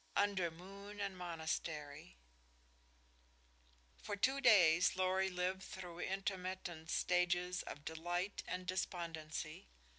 UNDER MOON AND MONASTERY For two days Lorry lived through intermittent stages of delight and despondency.